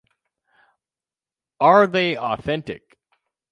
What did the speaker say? Are they authentic?